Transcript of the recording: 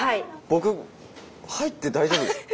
僕入って大丈夫なんですか？